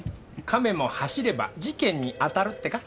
亀も走れば事件に当たるってか？